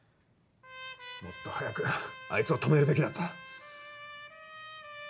もっと早くあいつを止めるべきだった。